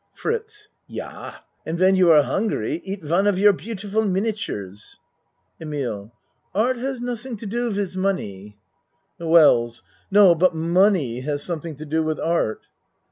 FRITZ Yah! And when you are hungry eat one of your beautiful miniatures. EMILE Art has nossing to do wiz money. WELLS No, but money has something to do with art.